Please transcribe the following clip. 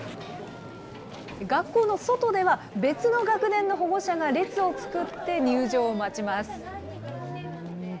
学校の外では、別の学年の保護者が列を作って入場を待ちます。